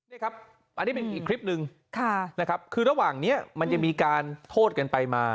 อันนี้เป็นอีกคลิปหนึ่งคือระหว่างนี้มันจะมีการโทษกันไปมา